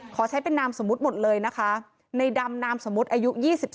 ขอใช้เป็นนามสมมุติหมดเลยนะคะในดำนามสมมุติอายุ๒๓